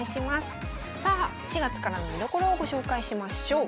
さあ４月からの見どころをご紹介しましょう。